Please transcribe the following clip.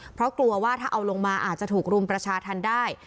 เพราะกลัวว่าถ้าเอาลงมาอาจจะถูกรุมประชาธรรมได้